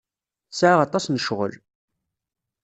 Tesɛa aṭas n ccɣel.